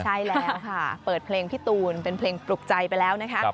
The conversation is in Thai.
ใช่แล้วค่ะเปิดเพลงพี่ตูนเป็นเพลงปลุกใจไปแล้วนะคะ